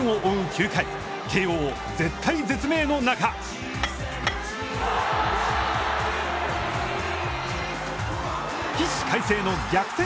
９回慶応絶体絶命の中起死回生の逆転